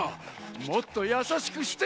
もっとやさしくして！